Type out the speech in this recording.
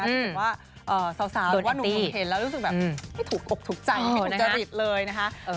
หรือว่าสาวหรือว่าหนูเห็นแล้วรู้สึกแบบไม่ถูกอบถูกใจไม่ถูกจริตเลยนะคะ